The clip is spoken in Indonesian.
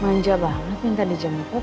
manja banget minta dia jemput